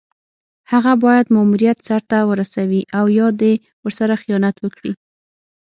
هغه باید خپل ماموریت سر ته ورسوي او یا دې ورسره خیانت وکړي.